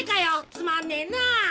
つまんねえな！